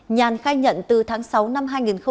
nhàn khai nhận từ tháng sáu năm hai nghìn hai mươi hai